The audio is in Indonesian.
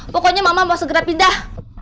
pokoknya mama mau segera pindah